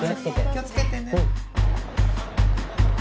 気をつけてね。